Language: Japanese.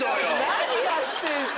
何やってんすか！